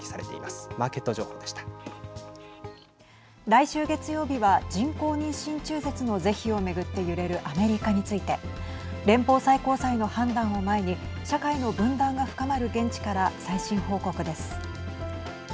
来週月曜日は人工妊娠中絶の是非を巡って揺れるアメリカについて。連邦最高裁の判断を前に社会の分断が深まる現地から最新報告です。